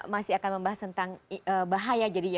biarkan kejadian seluruh ta help ini